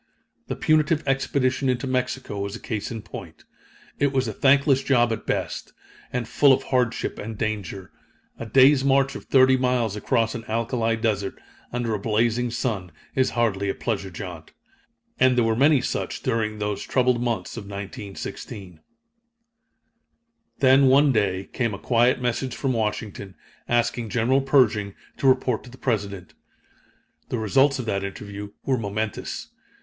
The punitive expedition into Mexico was a case in point. It was a thankless job at best, and full of hardship and danger. A day's march of thirty miles across an alkali desert, under a blazing sun, is hardly a pleasure jaunt. And there were many such during those troubled months of 1916. Then, one day, came a quiet message from Washington, asking General Pershing to report to the President. The results of that interview were momentous.